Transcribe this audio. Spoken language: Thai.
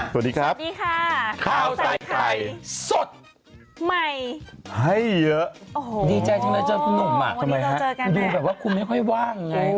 สวัสดีครับสวัสดีค่ะข้าวใส่ไข่สดใหม่ให้เยอะโอ้โหดีใจจังเลยเจอคุณหนุ่มอ่ะทำไมฮะดูแบบว่าคุณไม่ค่อยว่างไง